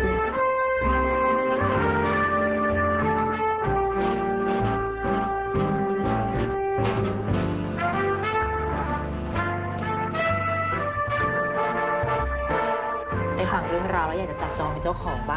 ในฝั่งเรื่องราวเราอยากจะจัดจองในเจ้าของบ้าง